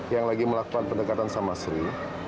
yang lagi melakukan pendekatan sama sri